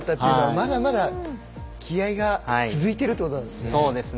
まだまだ気合いが続いているということなんですね。